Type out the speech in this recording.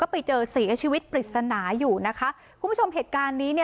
ไปเจอศีลชีวิตผิดสนายอยู่นะคะคุณผู้ชมเหตุการณ์นี้